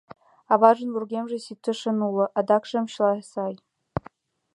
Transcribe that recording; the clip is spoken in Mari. Аважын вургемже ситышын уло, адакшым чыла сай.